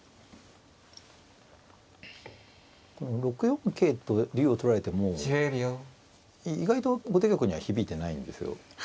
６四桂と竜を取られても意外と後手玉には響いてないんですよ。